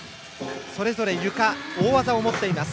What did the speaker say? それぞれ、ゆか大技を持っています。